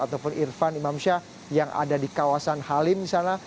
ataupun irfan imam syah yang ada di kawasan halim di sana